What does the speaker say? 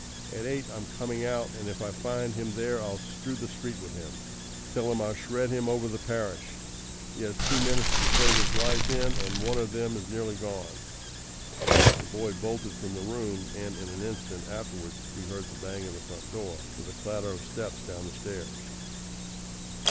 At eight I'm coming out, and if I find him there I'll strew the street with him. Tell him I'll shred him over the parish. He has two minutes to save his life in, and one of them is nearly gone." The boy bolted from the room, and in an instant afterwards we heard the bang of the front door, with a clatter of steps down the stairs.